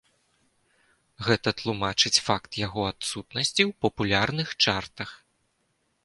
Гэта тлумачыць факт яго адсутнасці ў папулярных чартах.